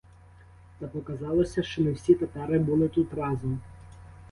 Та показалося, що не всі татари були тут разом.